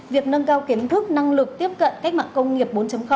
việc nâng cao kiến thức năng lực tiếp cận cách mạng công nghiệp bốn